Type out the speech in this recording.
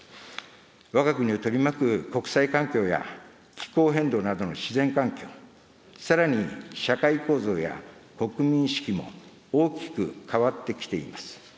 わが国を取り巻く国際環境や、気候変動などの自然環境、さらに社会構造や国民意識も大きく変わってきています。